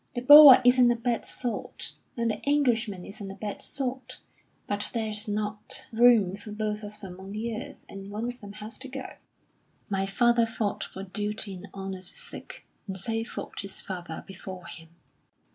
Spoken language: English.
The Boer isn't a bad sort, and the Englishman isn't a bad sort; but there's not room for both of them on the earth, and one of them has to go." "My father fought for duty and honour's sake, and so fought his father before him."